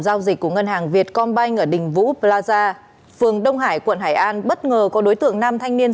vị của ngân hàng việt con banh ở đình vũ plaza phường đông hải quận hải an bất ngờ có đối tượng nam thanh niên